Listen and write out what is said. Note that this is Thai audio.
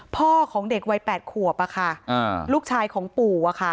พ่อของเด็กวัย๘ขวบลูกชายของปู่